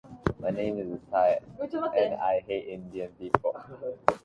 Rachins is a member of Mensa.